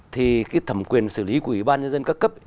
thì cái thẩm quyền xử lý của ủy ban nhân dân các cấp